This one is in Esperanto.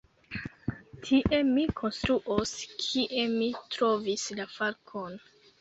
Tie mi konstruos, kie mi trovis la falkon.